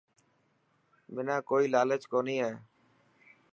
منا ڪوئي لالچ ڪوني هي.